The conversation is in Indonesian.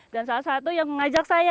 dan salah satu yang mengajak saya ini adalah